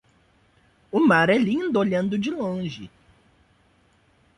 O mar é lindo olhando de longe.